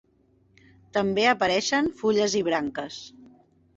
També apareixen fulles i branques.